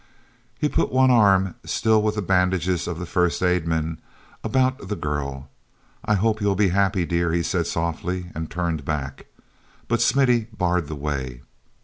He put one arm, still with the bandages of the first aid men, about the girl. "I hope you'll be happy, dear," he said softly, and turned back. But Smithy barred the way.